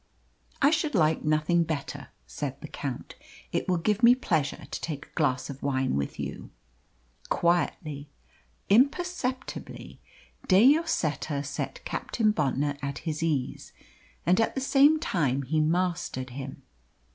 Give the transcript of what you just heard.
"I should like nothing better," said the Count. "It will give me pleasure to take a glass of wine with you." Quietly, imperceptibly, De Lloseta set Captain Bontnor at his ease, and at the same time he mastered him.